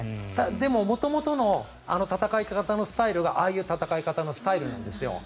でも、元々の戦い方のスタイルがああいう形のスタイルなんです。